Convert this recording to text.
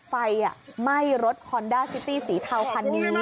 ไฟไหม้รถฮอนด้าซิตี้สีเทาคันนี้